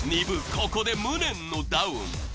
ここで無念のダウン。